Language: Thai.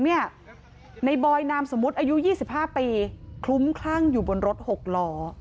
เนี่ยในบอยนามสมมุติอายุยี่สิบห้าปีคลุ้มคลั่งอยู่บนรถหกล่อ